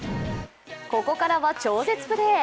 ここからは超絶プレー。